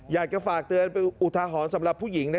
อยากจะฝากเตือนไปอุทหรณ์สำหรับผู้หญิงนะ